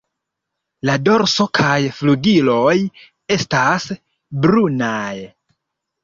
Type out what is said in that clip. La dorso kaj flugiloj estas brunaj.